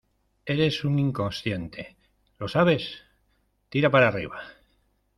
eres un inconsciente, ¿ lo sabes? tira para arriba.